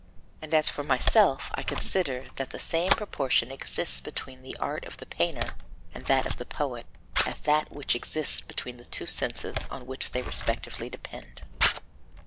"And as for my self I consider that the same proportion exists between the art of the painter and that of the poet as that which exists between the two senses on which they respectively depend.